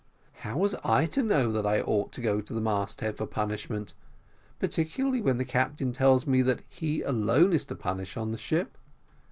How was I to know that I ought to go to the mast head for punishment? particularly when the captain tells me that he alone is to punish in the ship.